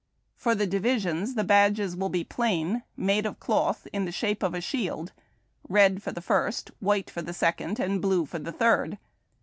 For the Divisions, the badges will be plain, made of cloth in the shape of a shield — red for the first, white for the second, and blue for the third.